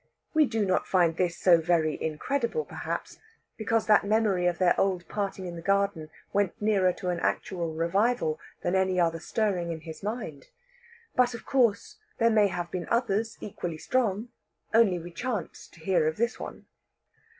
We do not find this so very incredible; perhaps, because that memory of their old parting in the garden went nearer to an actual revival than any other stirring in his mind. But, of course, there may have been others equally strong, only we chance to hear of this one.